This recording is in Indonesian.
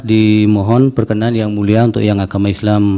dimohon perkenan yang mulia untuk yang agama islam